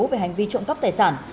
về hành vi trộm góc tài sản